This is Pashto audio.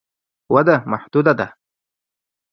وده محدوده ده.